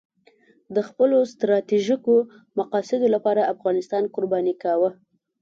د خپلو ستراتیژیکو مقاصدو لپاره افغانستان قرباني کاوه.